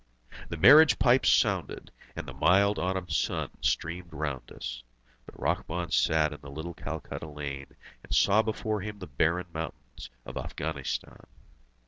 The marriage pipes sounded, and the mild autumn sun streamed round us. But Rahmun sat in the little Calcutta lane, and saw before him the barren mountains of Afghanistan.